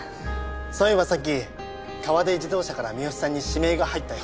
そういえばさっき河出自動車から三好さんに指名が入ったよ。